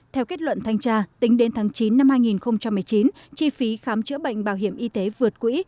theo kết luận thanh tra tính đến tháng chín năm hai nghìn một mươi chín chi phí khám chữa bệnh bảo hiểm y tế vượt quỹ